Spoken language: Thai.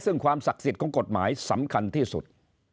ซึ่งความศักดิ์สิทธิ์ของกฎหมายสำคัญที่สุด